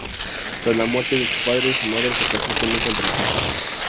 Tras la muerte de su padre, su madre se casó con un contratista.